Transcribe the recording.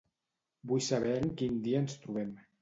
Vull saber en quin dia ens trobem.